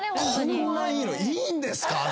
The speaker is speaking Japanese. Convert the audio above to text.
「こんないいのいいんですか？」